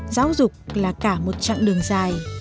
giáo dục là cả một chặng đường dài